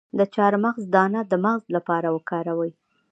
د چارمغز دانه د مغز لپاره وکاروئ